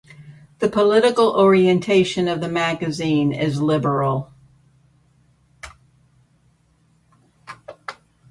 The political orientation of the magazine is liberal.